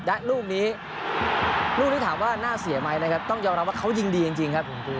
และลูกนี้ลูกนี้ถามว่าน่าเสียไหมนะครับต้องยอมรับว่าเขายิงดีจริงครับ